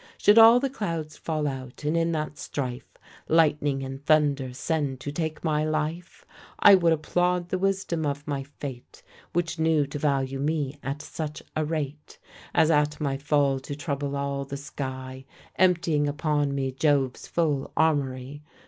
Should all the clouds fall out, and in that strife, Lightning and thunder send to take my life, I would applaud the wisdom of my fate, Which knew to value me at such a rate, As at my fall to trouble all the sky, Emptying upon me Jove's full armoury.